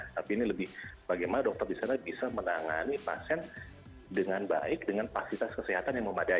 tapi ini lebih bagaimana dokter di sana bisa menangani pasien dengan baik dengan fasilitas kesehatan yang memadai